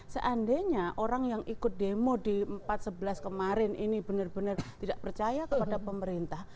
seandainya orang yang ikut demo di empat sebelas kemarin ini benar benar tidak percaya kepada pemerintah